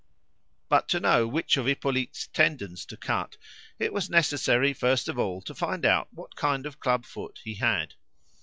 But to know which of Hippolyte's tendons to cut, it was necessary first of all to find out what kind of club foot he had.